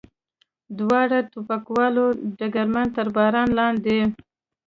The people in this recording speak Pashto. دواړو ټوپکوالو ډګرمن تر باران لاندې.